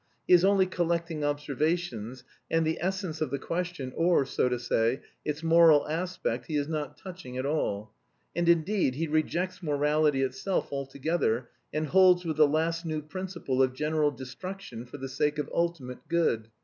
He is only collecting observations, and the essence of the question, or, so to say, its moral aspect he is not touching at all. And, indeed, he rejects morality itself altogether, and holds with the last new principle of general destruction for the sake of ultimate good.